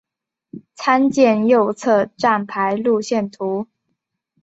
参见右侧站牌路线图。